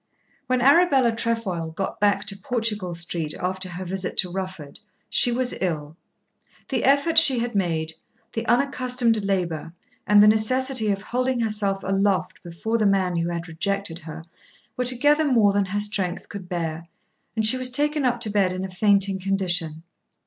When Arabella Trefoil got back to Portugal Street after her visit to Rufford, she was ill. The effort she had made, the unaccustomed labour, and the necessity of holding herself aloft before the man who had rejected her, were together more than her strength could bear, and she was taken up to bed in a fainting condition.